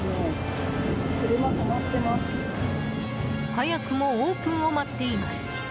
早くもオープンを待っています。